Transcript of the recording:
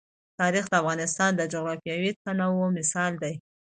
تاریخ د افغانستان د جغرافیوي تنوع مثال دی.